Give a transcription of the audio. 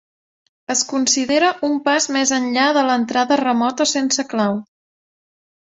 Es considera un pas més enllà de l'entrada remota sense clau.